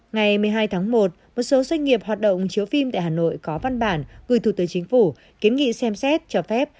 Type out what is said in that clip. ngày một mươi hai tháng một một số doanh nghiệp hoạt động chiếu phim tại hà nội có văn bản gửi thủ tướng chính phủ kiến nghị xem xét cho phép